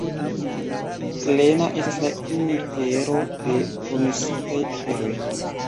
Plena estas la infero de promesitaj aferoj.